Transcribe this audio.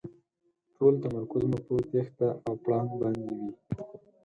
ټول تمرکز مو په تېښته او پړانګ باندې وي.